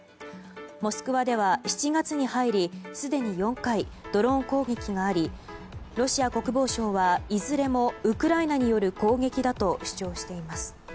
モスクワでは７月に入りすでに４回ドローン攻撃がありロシア国防省はいずれもウクライナによる攻撃だと主張しています。